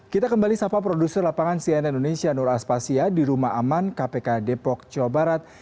kita kembali sapa produser lapangan cnn indonesia nur aspasya di rumah aman kpk depok jawa barat